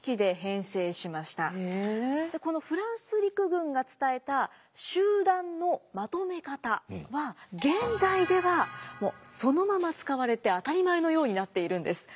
このフランス陸軍が伝えた集団のまとめ方は現代ではそのまま使われて当たり前のようになっているんです。